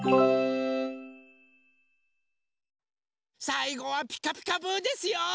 さいごは「ピカピカブ！」ですよ。